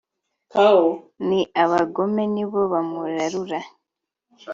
ni abagome nibo bamurarura